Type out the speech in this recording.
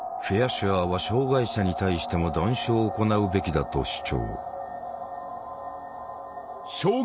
シュアーは障害者に対しても断種を行うべきだと主張。